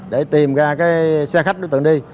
để tìm ra xe khách đối tượng đi